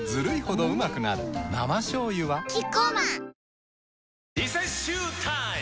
生しょうゆはキッコーマンリセッシュータイム！